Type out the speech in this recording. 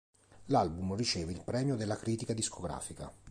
L'album riceve il Premio della Critica Discografica.